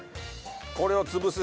これを潰す。